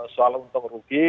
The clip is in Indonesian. soal untung rugi